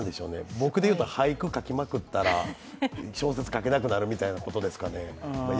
僕でいうと、俳句書きまくったら、小説かけなくなるということですかね。